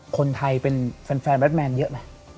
คนไทยเป็นแฟนแบทแมนเยอะไหม